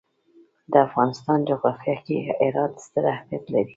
د افغانستان جغرافیه کې هرات ستر اهمیت لري.